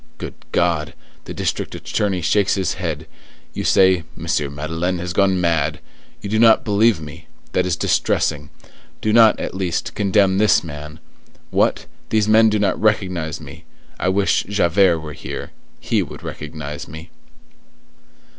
Good God! the district attorney shakes his head; you say, 'M. Madeleine has gone mad!' you do not believe me! that is distressing. Do not, at least, condemn this man! What! these men do not recognize me! I wish Javert were here; he would recognize me."